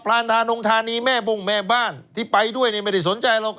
รานธานงธานีแม่บ้งแม่บ้านที่ไปด้วยไม่ได้สนใจหรอก